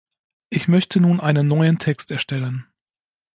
Ich möchte nun einen neuen Text erstellen.